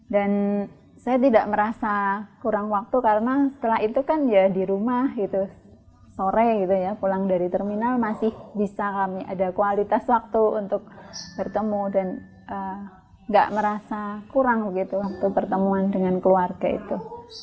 saya tidak merasa kurang waktu karena setelah itu kan ya di rumah gitu sore gitu ya pulang dari terminal masih bisa kami ada kualitas waktu untuk bertemu dan nggak merasa kurang gitu waktu pertemuan dengan keluarga itu